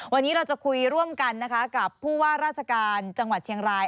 วันนี้เราจะคุยร่วมกันนะคะกับผู้ว่าราชการจังหวัดเชียงราย